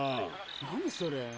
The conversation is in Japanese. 何それ。